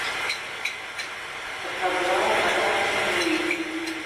It hart draaide my om yn it liif.